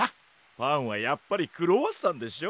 パンはやっぱりクロワッサンでしょ。